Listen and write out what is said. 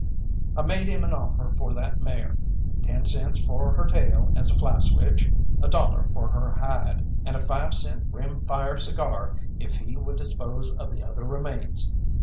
I made him an offer for that mare; ten cents for her tail as a fly switch, a dollar for her hide, and a five cent rim fire cigar if he would dispose of the other remains.